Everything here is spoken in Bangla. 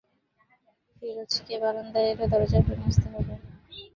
ফিরোজকে বারান্দায় এলে দরজা ভেঙে আসতে হবে।